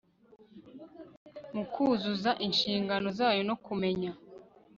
mu kuzuza inshingano zayo no kumenya